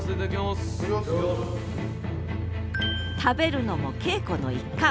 食べるのも稽古の一環。